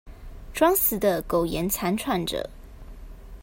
裝死的苟延慘喘著